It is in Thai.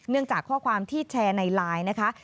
จากข้อความที่แชร์ในไลน์นะคะ